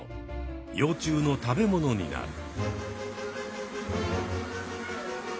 幼虫の食べ物になる。